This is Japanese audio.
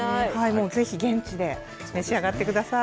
もうぜひ、現地で召し上がってください。